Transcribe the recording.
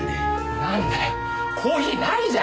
なんだよコーヒーないじゃん！